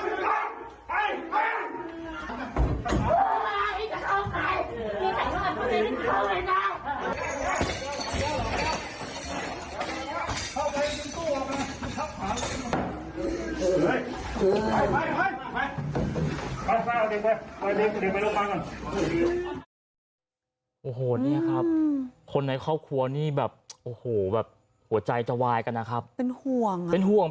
พี่ว่าก็แบบโอ้โหเนี่ยครับคนในครอบครัวนี่แบบโอ้โหแบบหัวใจจะวายค่ะนะครับเป็นห่วง